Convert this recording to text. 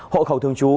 hộ khẩu thường trú